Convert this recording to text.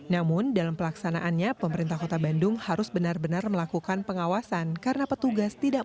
sementara itu dosen administrasi publik univaresitas pejajaran yogi suprayogi menilai perda kawasan tanpa rokok bisa berdampak positif bagi warga bandung